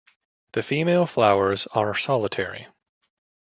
The female flowers are solitary.